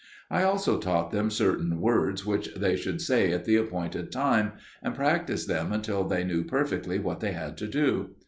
I also taught them certain words which they should say at the appointed time, and practised them until they knew perfectly what they had to do.